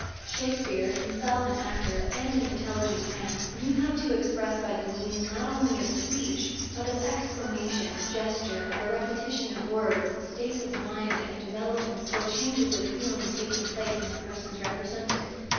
Shakespeare, himself an actor, and an intelligent man, knew how to express by the means not only of speech, but of exclamation, gesture, and the repetition of words, states of mind and developments or changes of feeling taking place in the persons represented.